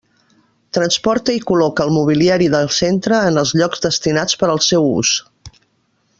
Transporta i col·loca el mobiliari del centre en els llocs destinats per al seu ús.